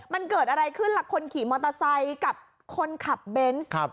มันเกิดอะไรขึ้นล่ะคนขี่มอเตอร์ไซค์กับคนขับเบนส์